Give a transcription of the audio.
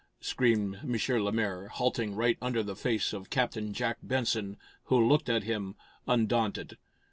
screamed M. Lemaire, halting right under the face of Captain Jack Benson, who looked at him undaunted.